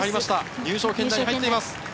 入賞圏内に入っています。